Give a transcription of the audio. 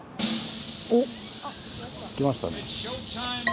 おっ来ましたね。